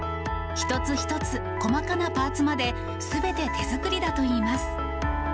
一つ一つ、細かなパーツまで、すべて手作りだといいます。